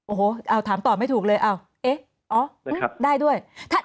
โอ้โหเอาถามตอบไม่ถูกเลยเอ๊ะอ๋อได้ด้วย